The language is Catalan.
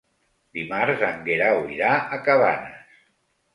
Dimarts en Guerau irà a Cabanes.